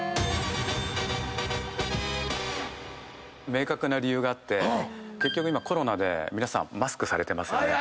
明確な理由があって結局今コロナで皆さんマスクされてますよね。